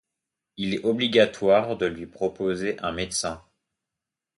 Il est obligatoire de lui proposer un médecin.